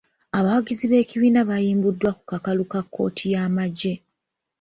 Abawagizi b’ekibiina bayimbuddwa ku kakalu ka kkooti y’amagye.